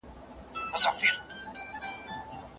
نکاح د جماع د حلالوالي سبب ګرځي.